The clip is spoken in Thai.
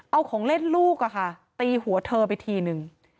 เอาของเล่นลูกตีหัวเธอไปทีนึง